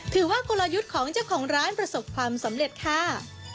กลยุทธ์ของเจ้าของร้านประสบความสำเร็จค่ะ